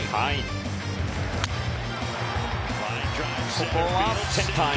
ここはセンターへ。